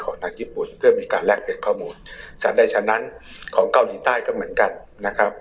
ทางญี่ปุ่นเพื่อมีการแลกเปลี่ยนข้อมูลสัตว์ใดฉะนั้นของเกาหลีใต้ก็เหมือนกันนะครับ